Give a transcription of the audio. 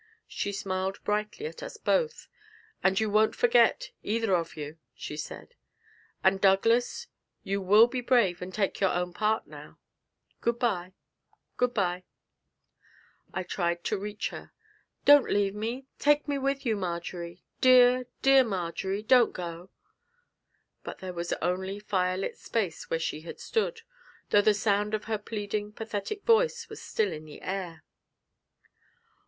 She smiled brightly at us both. 'And you won't forget, either of you?' she said. 'And, Douglas, you will be brave, and take your own part now. Good bye, good bye.' I tried to reach her. 'Don't leave me; take me with you, Marjory dear, dear Marjory, don't go!' But there was only firelit space where she had stood, though the sound of her pleading, pathetic voice was still in the air.